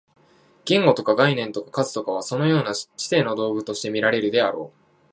言語とか概念とか数とかは、そのような知性の道具と見られるであろう。